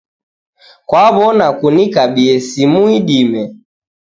Kwaw'ona kunikabie simu idime